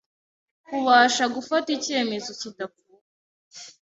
kubasha gufata icyemezo kidakuka,